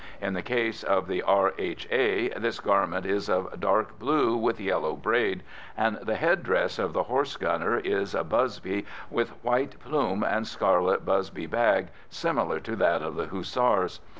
In the case of the R.H.A. this garment is of dark blue with yellow braid, and the head dress of the horse gunner is a busby with white plume and scarlet busby bag, similar to that of the Hussars.